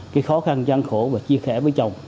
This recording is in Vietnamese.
cái khó khăn gian khổ và chia sẻ với chồng